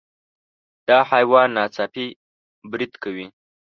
دا حیوان ناڅاپي برید کوي.